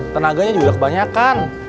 tenaganya juga kebanyakan